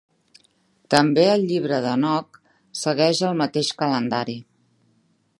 També el Llibre d'Henoc segueix el mateix calendari.